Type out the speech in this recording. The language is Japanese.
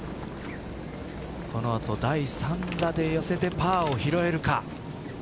この後、第３打で寄せてパーを拾えるか。